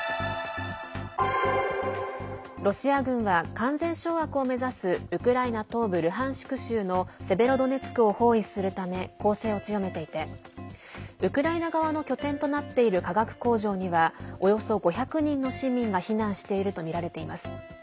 ロシア軍は、完全掌握を目指すウクライナ東部ルハンシク州のセベロドネツクを包囲するため攻勢を強めていてウクライナ側の拠点となっている化学工場にはおよそ５００人の市民が避難しているとみられています。